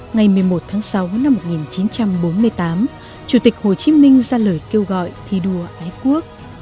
ngày một mươi một tháng sáu năm một nghìn chín trăm bốn mươi tám chủ tịch hồ chí minh ra lời kêu gọi thi đua ái quốc